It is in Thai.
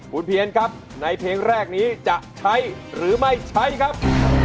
คุณเพียนครับในเพลงแรกนี้จะใช้หรือไม่ใช้ครับ